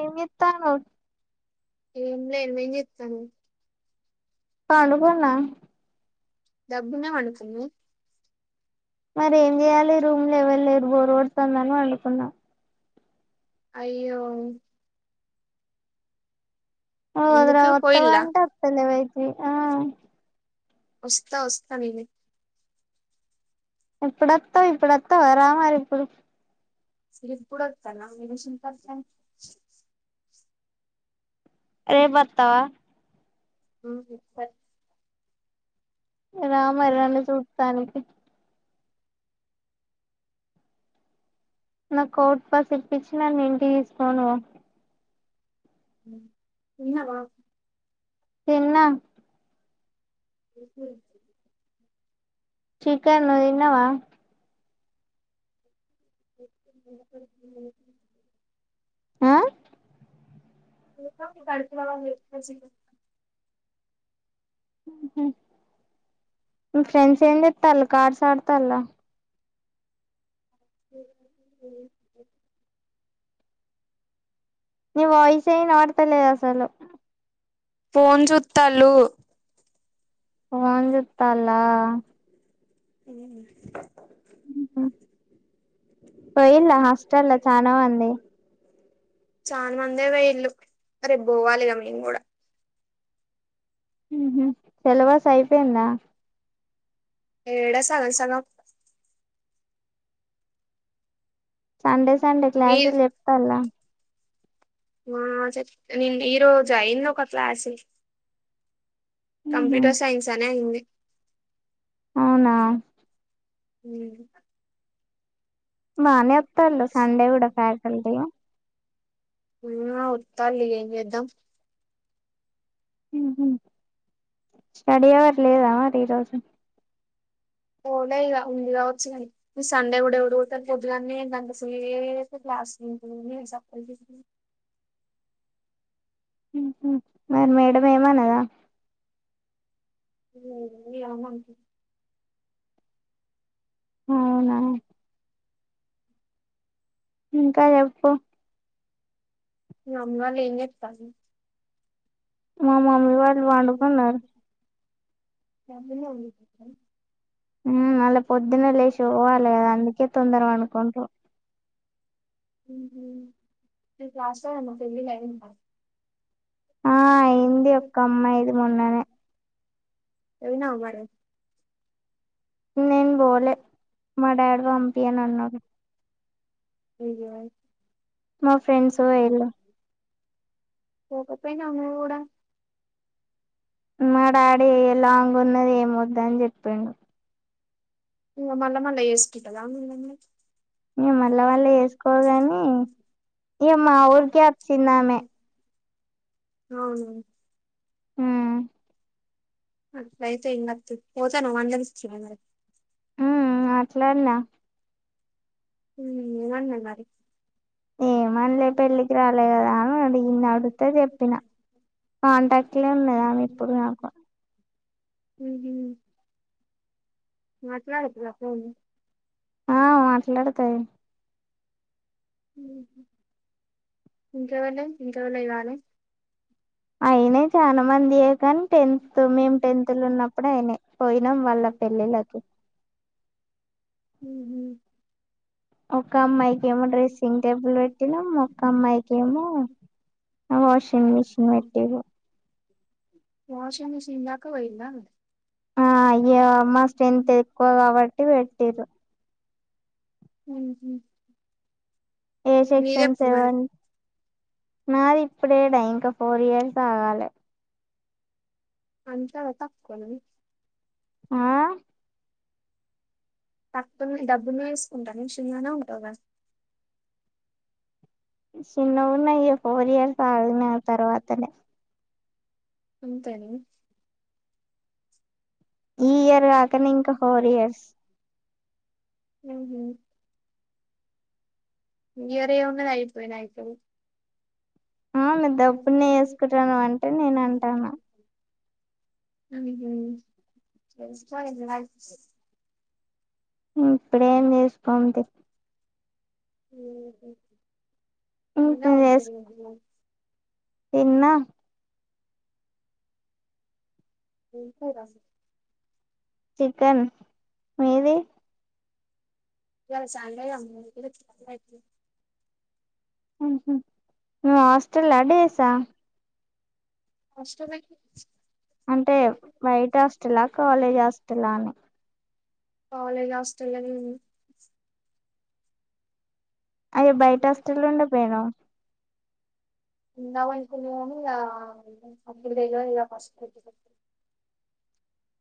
ఏం జేత్తానవ్ ఏం లేదుమే ఏం జేత్తనవ్ పండుకున్నా దబ్బునే పండుకున్నవ్ మరి ఏం చేయాలి రూమ్ల ఎవ్వర్ లేరు బోర్ కొడ్తందని పండుకున్న అయ్యో నువ్ వద్రా ఎందుకు వత్తవా పోయిల్లా అంటే వత్తలేవే వి ఆ వస్తా వస్తా నేనే ఎప్పుడొత్తవ్ ఇప్పుడత్తవా రా మరి ఇప్పుడు [unintelligible] రేపు అత్తవా ఉమ్ సరే రా మరి నన్ను చూట్టానికి నాకు ఔట్ పాస్ ఇప్పించి నన్ను ఇంటికి తీసుకోని వో హ్మ్ తిన్నగావచ్చు తిన్నా ఏం కూర చేసిన్రు చికెన్ నువ్ తిన్నవా [unintelligible] ఆ [unintelligible] హ్ మ్ మీ ఫ్రెండ్స్ ఏం చేస్తాన్లు కార్డ్స్ అడ్తంల నీ వాయిసే ఇనబడతలేద్ అసలు ఫోన్ చుత్తాలు ఫోన్ చూత్తన్ల హ్ హ్మ్ పోయిన్ల హాస్టల్ల చానా మంది చాలా మందే పొయిన్లు రేపు పోవాలి ఇగ మేము గుడా సిలబస్ అయిపోయిందా ఏడ సగం సగం సండే సండే క్లాసులు చెప్తాన్ల ఆ చె నేను ఈరోజు అయింది ఒక క్లాసు ఉహు కంప్యూటర్ సైన్స్ అనే హింది అవునా హ బాగానే చెప్తళ సండే కూడా ఫ్యాకల్టీ ఆ ఉత్తల్లియింది ఎదం స్టడీ అవర్ లేదా మరి ఈరోజు ఓలేదుద ఉంది కావచ్చు కానీ న సండే కూడా ఎవరు పోత పోద్దు కాగానీకంట అసలు ఏయితే క్లాసు ఉంటు నేను చెప్పల్ ఉహు మరి మేడ ఏమనదా అ అమంట అవునా ఇంకాప్పు అమ్మళ ఏని ఇస్తారు వాళ్ళలు వడుకున్నారు రమ ఉ న పొద్దున లేషోవాల అందుకే తొందర అనుకుంట క్లాసమ్ మా పెళ్లి అయిందా ఆ అయింది ఎ ఒక్క పో అమ్మాయిది మొన్ననే ఏవినా అ మడ నేను బోలే మా డాడ అంపియని అన్నాడు కయి మా ఫ్రెండ్స్ ఎలు పోకపోయి అను కూడా మా డాడీ లాంగ్ ఉన్నది ఏమ వద్ద అని చెప్పిండు ఇ మళ్ల మల్ల ఏసుకదా మల్ల మల్ మే మళ్ళ వాళ్ళ వేసుకోవగాని ఏ మా ఊరికేప్ చిందామే అవును హ అంతైతు ఇంగతుది ఓతా ను్వు అందలిస్త అ హ అట్లాన్న ఉ నన్న నారి ఏమనలే పెళ్ళికి రాలే కదా అని అడిగింది అడితే చెప్పిన కాంటాక్ట్లే ఉన్నదామె ఇప్పుడు నాకు మాట్లాతు రా ఫ ఆ మాట్లాడతాయి ఇంకావలే ఇంకావలే ఇవను అయిన చాల మంది కానీ టెన్త్ మేం టెన్త్ లో ఉన్నప్పుడు అయిన పోయినాం వాళ్ళ పెళ్ళిళ్ళకి హ్మ్ హూ ఒక అమ్మాయికి ఏమో డ్రెస్సింగ్ టేబుల్ పెట్టినం. ఒక్క అమ్మాయికి ఏమో వాషింగ్ మిషిన్ పెట్టిర్రు. వాషింగ్ మషీన్ రాకవ ఇంద ఆ అయ మా స్టెంత ఎక్కువ కాబట్టి పెట్టారు హ ఏ సెక్షన్ సెవెన్ నాది ఇప్పుడేడా ఇంకా ఫోర్ ఇయర్స్ ఆగాలి అంతాలతక్కోనవి ఆ టక్కునే దబ్బునే చేసుకుంటా నే చిన్నగనే ఉంటాగా చిన్నవున్నాయే పోలియాల్ తాగిన తర్వాతనే అంతేనిగ ఈ ఇయర్ కాకనే ఇంక ఫోర్ ఇయర్స్. ఉహూ న్యాయరేమున్నది అయిపోనేఅయితది ఆ మీ దబ్బున్నే వేసుకుంట నవంటె అంటే నేనాంటాన్న. అయ్యో ఇప్పుడేం చేసుకోన్తీ. ఉ ఎన్న చేసు ఉన్నా తిన్నా ఏం కూర చికెన్ మీది ఇలా సండేగా ఉహూ మాస్ ష్టల్ అ డేసా హాస్టలా డేసా అంటే బైట హాస్టలా కాలేజ్ హాస్టలా అని కాలేజ్ హాస్టల్లనే అయ్యా బయట హస్టల్లుండ పోయనవ్. ఉందాం అనుకున్న ఇంగా అప్పుడు తెల్వద్ గా ఫస్ట్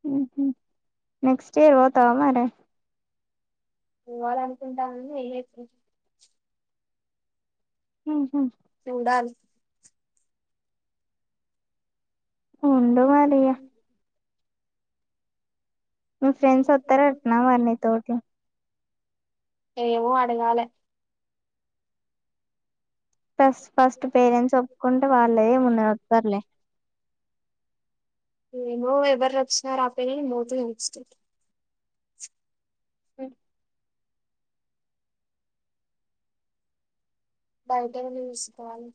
హ్మ్ హూ నెక్స్ట్ ఇయర్ పోతవా మరే పోవాల అనుకుంటానగనీ ఏమైతదో అ హా సూడాల్ ఉండుమరిగా మీ ఫ్రెండ్స్ వస్తారు అట్నా మరి నీతోటి ఏవో అడగాలె ఫస్ట్ ఫస్ట్ పేరెంట్స్ ఒప్పుకుంటే వాళ్లేముండరు వత్తారులే. నేమో ఎవరొచ్చిన రాపోయిన నేంబోతే దెలుస్తది. స బయట ఏమన్న చూస్కోవాలి.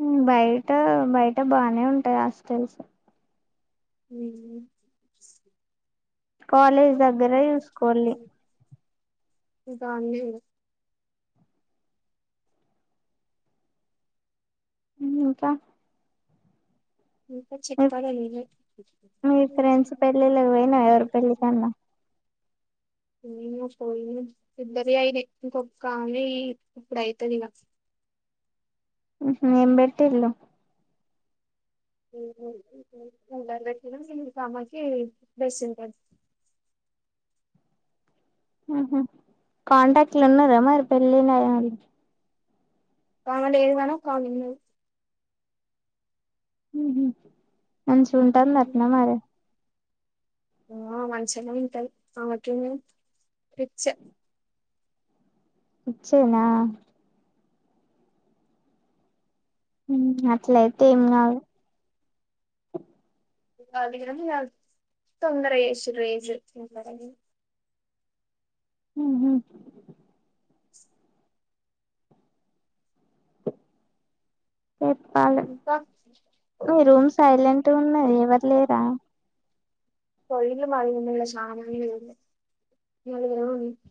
హ్మ్ బయట బయట బానే ఉంటయ్ హాస్టల్స్. హ్మ్ హూ కాలేజ్ దగ్గర చూసుకోల్లి. గాంధీనగర్ హ్మ్ ఇంకా ఇకా మీ చిట్ప్పడ మీరె మీ ఫ్రెండ్స్ పెళ్ళిళ్ళకి పోయినవా ఎవరి పెళ్ళికన్నా ఏమో పోయినం ఇద్దరి అయినయ్ ఇంకొక్కామే ఇప్పుడైతది ఇగ హ్మ్ హూ ఏం బెట్టిల్లు [inaudible] పెట్టినం ఇంకొకామెకి డ్రెస్సింగ్ టేబుల్ మ్ హు కాంటాక్ట్లు ఉన్నారా మరి పెళ్ళిటయానికి. కావాలి ఏదైన కామిడి నువ్వు మ్ హు మంచిగ ఉంటాందా అట్ నా మరి? ఆ మంచిగ ఉంటాది ఆమె కేంది పిచ్చ. ఇచ్చేనా న్ యాయ్ అట్లయితే ఏం కావు ఆ దిగరం యాద్ తొందర చేసిండ్రు రేజ్ హ్మ్మ్ చెప్పాలి ఇంకా మీ రూమ్ సైలెంట్ ఉన్నది ఎవరు లేరా? పోయిల మరిన్నల సామ బియ్యము [inaudible]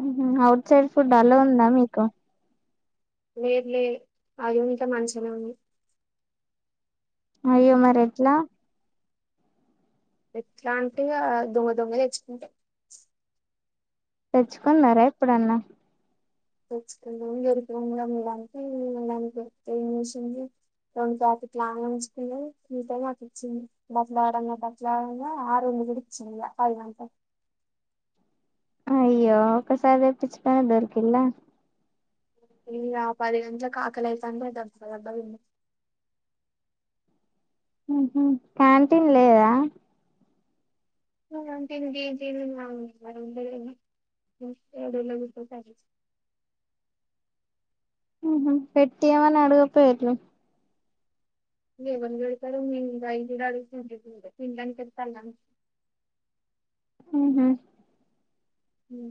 హ్మ్మ్ అఔట్ సైడ్ ఫుడ్ అలవ్ ఉందా మీకు వేర్లే అదిగునక మంచిగనే ఉంది. అయ్యో మరి ఎట్లా? ఎట్లాంటివ దొంగ దొంగ తెచ్చుకుంటె తెచ్చుకున్నారే ఇప్పుడన్న తెచ్చుకుందెమో ఎరుపు రంగు దానికి ఏమి చేసింది రెండు జాకెట్లు ఆమె ఉంచుకుంది మిగతావి నాకు ఇచ్చింది. బట్లాడంగా బట్లాడగా ఆరు రెండు కూడా ఇచ్చింది పది అంత. తెచ్చుకుందామని గరిక తీసుకొచ్చాం. మళ్లీ రెండు పాతికలు ఉంచుకుంది. మిగతావి మాకు ఇచ్చింది. మాట్లాడుతుండగా మరో ఆరు వందలు కూడా ఇచ్చింది. అంతే. అయ్యో ఒక్కసారి పిచ్ కారు దొరికిందా? నిన్న పది గంటలకు ఆకలి అయితాండ దబ్బ దబ్బ తిన్నా. క్యాంటీన్ లేదా? క్యాంటీన్ గీన్టీన్ కి రాను అంతేగదా గాసేపు ఈడ్ద్నే కూచుంటే అయిపోతాది. హ్మ్ పెట్టాయమని అడగకపోయేట్లు. ఏవన్డి పెడతారు మేము రైస్ గూడా అడక్కుండా తినడానికి వత్తాన్న. హ్మ్ హు హ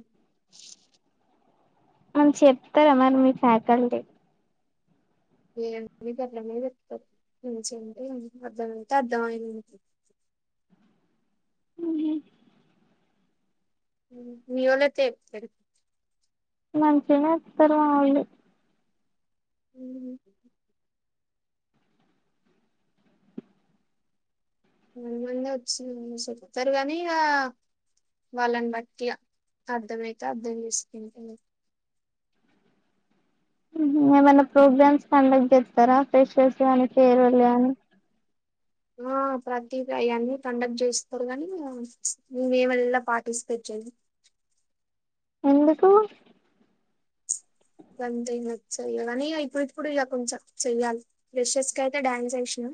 అని చెప్తే మరి మీ ఫ్యాకల్టీ [unintelligible] ఏీ గల్లనే పెట్ంచిడి అర్థమయితే అర్థం అయింది మీ వాళ్లు అయితే చెప్పారు. మంచిగానే ఇస్తారు మాముళ్ళు. హ్మ్ కొంత మంది వచ్చి చెప్పుతారు గానీ ఇగ వాళ్ళని బట్టి ఇగ అర్థమయితే అర్థం చేసుకుంట. ఏవన్న ప్రోగ్రామ్స్ కండక్ట్ చేస్తారా ప్రెషర్స్. ఏవన్న ఫేర్వెల్ గాని ఆ ప్రతి ది అయన్నీ కండక్ట్ చేస్తాడు గానీ మేమల్ల పార్టిసిపేట్ చేయము. ఎందుకు? గంతేమ్ నచ్చలే కానీ గ ఇప్పుడు ఇప్పుడు ఇక కొంచెం చెయ్యాలి ప్రెషర్స్ కఅయితే డ్యాన్స్ చేసినా.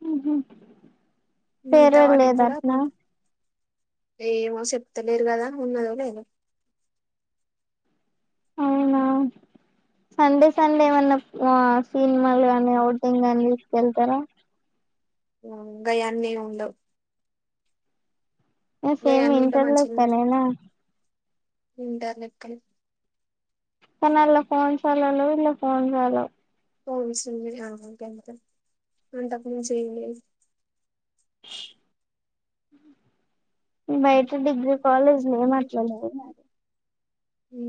హ్మ్ హు మిగతా పేరే వాటికి లేద కూడా అట్నా కొం ఏమో చెప్త లేరు కదా ఉన్నదో లేదొ అవునా సండే సండే ఏమన్నా ఆ సినిమాలుగాని ఔటింగ్ గాని కెల్తారా ఉ గయి అన్ని ఏం ఉండవ్ సేమ్ ఇంటర్లోక్ కనా ఇంటర్నెట్ కానీ అళ్లా ఫోన్స్ాలలో ఇళ్లా ఫోన్స్ాల పోన్క ఎంత అంతకు మించి ఏం లేదు బయట డిగ్రీ కాలేజ్లో ఏం అట్లాలేదు మరి అ